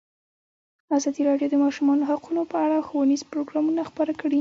ازادي راډیو د د ماشومانو حقونه په اړه ښوونیز پروګرامونه خپاره کړي.